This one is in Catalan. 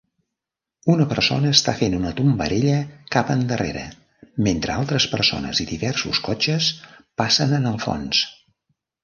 Una persona està fent una tombarella cap endarrere mentre altres persones i diversos cotxes passen en el fons.